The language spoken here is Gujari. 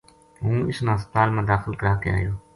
ہوں اس نا ہسپتال ما داخل کرا کے آیو